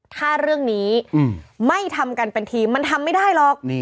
ถ้าเรื่องนี้ไม่ทำกันเป็นทีมมันทำไม่ได้หรอก